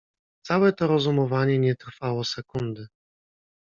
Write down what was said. "Całe to rozumowanie nie trwało sekundy."